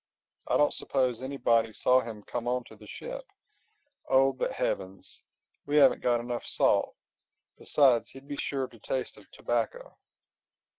I don't suppose anybody saw him come on to the ship—Oh, but Heavens! we haven't got enough salt. Besides, he'd be sure to taste of tobacco."